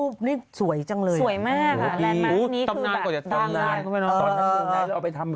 ปรากฏว่า